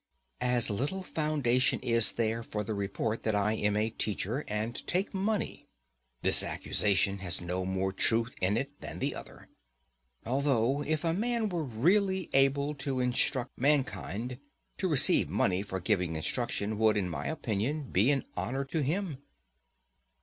As little foundation is there for the report that I am a teacher, and take money; this accusation has no more truth in it than the other. Although, if a man were really able to instruct mankind, to receive money for giving instruction would, in my opinion, be an honour to him.